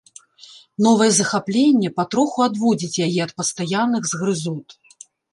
Новае захапленне патроху адводзіць яе ад пастаянных згрызот.